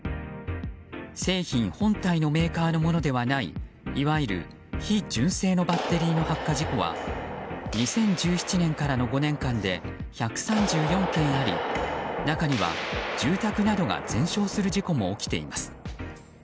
製品本体のメーカーのものではないいわゆる非純正のバッテリーの発火事故は２０１７年からの５年間で１３４件あり中には住宅などが全焼する事故も起きています。